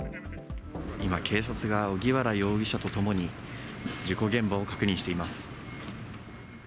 今、警察が荻原容疑者と共に、事故現場を確認しています。